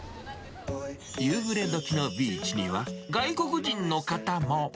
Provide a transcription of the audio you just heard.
夕暮れ時のビーチには、外国人の方も。